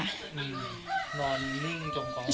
นอนนิ่งจงบ้าง